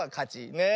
ねえ。